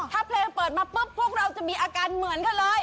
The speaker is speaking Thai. ถ้าเพลงเปิดมาปุ๊บพวกเราจะมีอาการเหมือนกันเลย